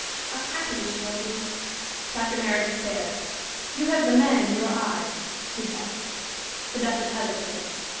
how happy we should all be." Dr. Meredith stared. "You have the man in your eye," he said. The Duchess hesitated.